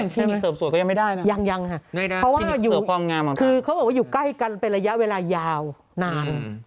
เสริมสวดก็ยังไม่ได้นะยังคือเขาบอกว่าอยู่ใกล้กันเป็นระยะเวลายาวนาน